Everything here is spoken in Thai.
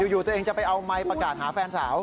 อยู่ตัวเองจะไปเอาไมค์ประกาศหาแฟนสาว